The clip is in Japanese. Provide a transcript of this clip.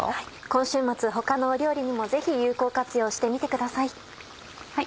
今週末他のお料理にもぜひ有効活用してみてください。